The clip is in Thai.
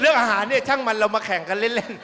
อาหารเนี่ยช่างมันเรามาแข่งกันเล่น